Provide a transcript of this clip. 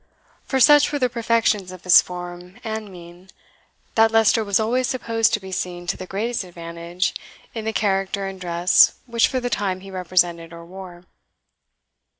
For such were the perfections of his form and mien, that Leicester was always supposed to be seen to the greatest advantage in the character and dress which for the time he represented or wore.